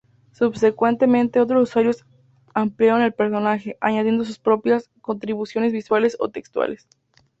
Subsecuentemente otros usuarios ampliaron el personaje, añadiendo sus propias contribuciones visuales o textuales.